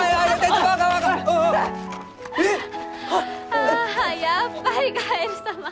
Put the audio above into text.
ああやっぱりカエル様！